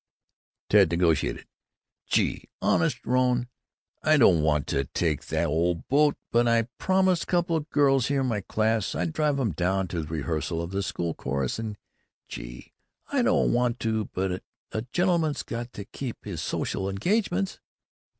Ted negotiated: "Gee, honest, Rone, I don't want to take the old boat, but I promised couple o' girls in my class I'd drive 'em down to the rehearsal of the school chorus, and, gee, I don't want to, but a gentleman's got to keep his social engagements."